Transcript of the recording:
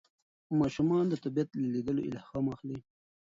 ماشومان د طبیعت له لیدلو الهام اخلي